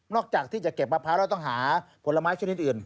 จากที่จะเก็บมะพร้าวแล้วต้องหาผลไม้ชนิดอื่น